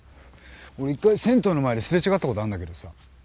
俺１回銭湯の前ですれ違ったことあんだけどさ。